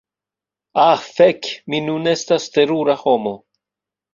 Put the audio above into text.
Ah fek' mi nun estas terura homo